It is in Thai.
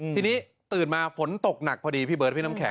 ทีนี้ตื่นมาฝนตกหนักพอดีพี่เบิร์ดพี่น้ำแข